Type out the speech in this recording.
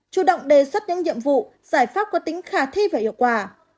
chủ động đề xuất những nhiệm vụ giải pháp có tính khả thi và hiệu quả